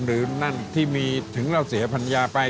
หรือนั่นที่มีถึงเราเสียภัณฑ์ยาไป